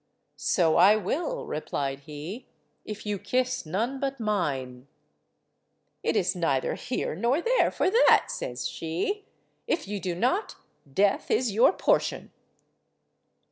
"So I will," replied he, "if you kiss none but mine." "It is neither here nor there for that," says she. "If you do not, death is your portion."